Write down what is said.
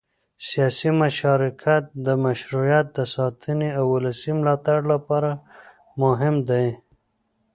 سیاسي مشارکت د مشروعیت د ساتنې او ولسي ملاتړ لپاره مهم دی